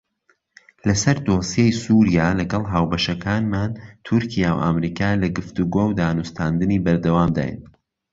لەسەر دۆسیەی سووریا لەگەڵ هاوبەشەکانمان تورکیا و ئەمریکا لە گفتوگۆ و دانوستاندنی بەردەوامداین.